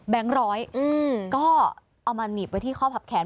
ร้อยก็เอามาหนีบไว้ที่ข้อผับแขน